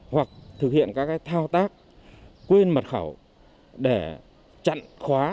hoặc thực hiện các thao tác quên mật khẩu để chặn khóa